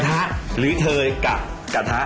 กะทะหรือเทยกะกะทะ